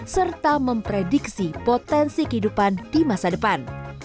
serta memprediksi potensi kehidupan di masa depan